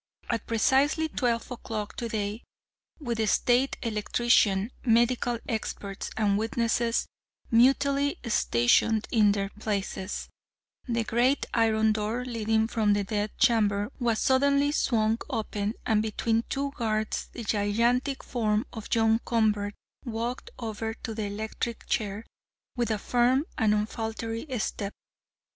"At precisely twelve o'clock today, with the State Electrician, medical experts, and witnesses, mutely stationed in their places, the great iron door leading from the Death Chamber was suddenly swung open, and between two guards the gigantic form of John Convert walked over to the electric chair, with a firm and unfaltering step.